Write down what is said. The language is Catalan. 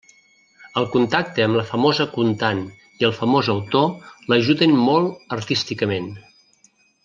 El contacte amb la famosa contant i el famós autor l'ajuden molt artísticament.